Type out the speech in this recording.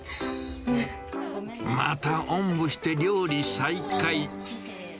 またおんぶして、料理再開。